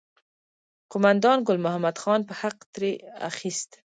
قوماندان ګل محمد خان به حق ترې اخیست.